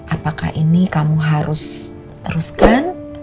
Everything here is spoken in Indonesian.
apakah ini kamu harus teruskan